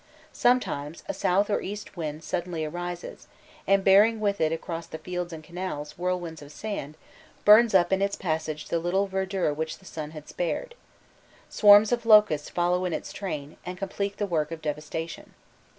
* Sometimes a south or east wind suddenly arises, and bearing with it across the fields and canals whirlwinds of sand, burns up in its passage the little verdure which the sun had spared. Swarms of locusts follow in its train, and complete the work of devastation.